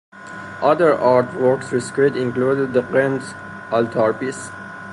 Other artworks rescued included the Ghent Altarpiece.